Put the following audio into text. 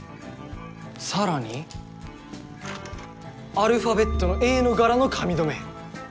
さらにアルファベットのＡの柄の髪留めＡ